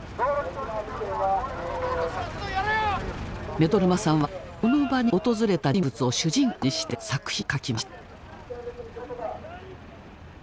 目取真さんはこの場に訪れた人物を主人公にして作品を書きました。